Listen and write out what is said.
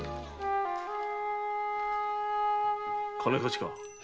金貸しか？